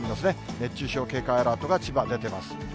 熱中症警戒アラートが、千葉、出ています。